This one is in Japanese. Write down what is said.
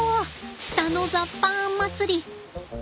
北のザッパン祭り。